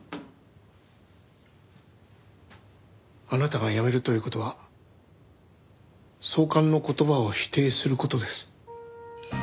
あなたが辞めるという事は総監の言葉を否定する事です。